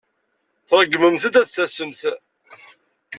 Tṛeggmemt-d ad d-tasemt.